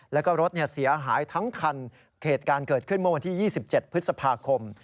แล้วก็รถเสียหายทั้งคันเหตุการณ์เกิดขึ้นเมื่อวันที่๒๗พฤษภาคม